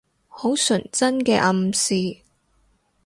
好純真嘅暗示